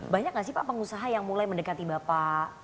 banyak nggak sih pak pengusaha yang mulai mendekati bapak